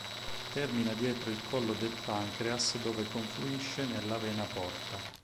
Termina dietro il collo del pancreas dove confluisce nella vena porta.